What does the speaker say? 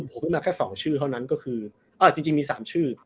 โผล่ขึ้นมาแค่สองชื่อเท่านั้นก็คืออ่ะจริงจริงมีสามชื่อ